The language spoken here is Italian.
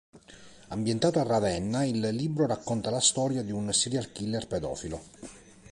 Ambientato a Ravenna, il libro racconta la storia di un serial killer pedofilo.